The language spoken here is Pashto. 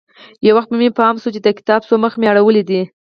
يو وخت به مې پام سو چې د کتاب څو مخه مې اړولي دي.